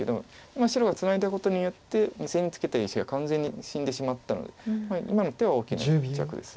今白がツナいだことによって２線にツケた石が完全に死んでしまったので今の手は大きな一着です。